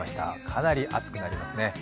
かなり暑くなりますね。